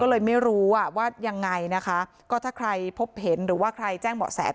ก็เลยไม่รู้อ่ะว่ายังไงนะคะก็ถ้าใครพบเห็นหรือว่าใครแจ้งเหมาะแส